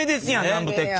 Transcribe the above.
南部鉄器。